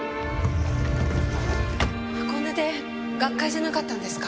箱根で学会じゃなかったんですか？